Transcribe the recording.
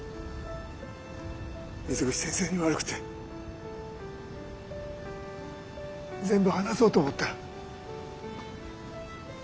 水口先生に悪くて全部話そうと思ったら。